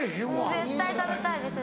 絶対食べたいです。